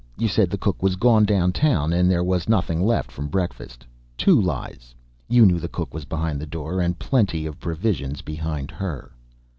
You said the cook was gone down town and there was nothing left from breakfast. Two lies. You knew the cook was behind the door, and plenty of provisions behind her."